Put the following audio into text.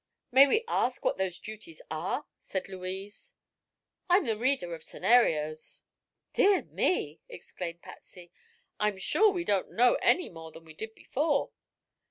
"May we ask what those duties are?" said Louise. "I'm the reader of scenarios." "Dear me!" exclaimed Patsy. "I'm sure we don't know any more than we did before."